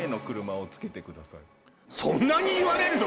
そんなに言われるの？